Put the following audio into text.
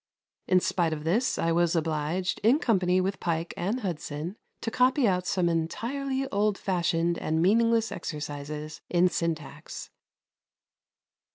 In spite of this I was obliged, in company with Pike and Hudson, to copy out some entirely old fashioned and meaningless exercises in syntax.